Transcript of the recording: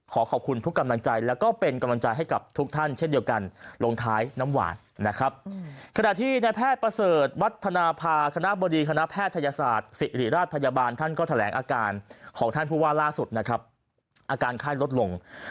ขอขอบคุณทุกกำลังใจและก็เป็นกำลังใจให้กับทุกท่านเช่นเดียวกัน